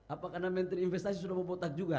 apa karena menteri investasi sudah memotak juga